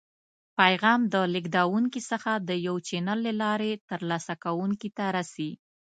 پیغام له لیږدونکي څخه د یو چینل له لارې تر لاسه کوونکي ته رسي.